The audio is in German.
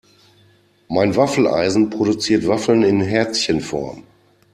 Mein Waffeleisen produziert Waffeln in Herzchenform.